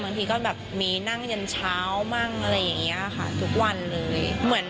บางทีก็แบบมีนั่งยันเช้ามั่งอะไรอย่างนี้ค่ะทุกวันเลย